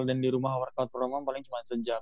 dan di rumah workout promo paling cuma sejam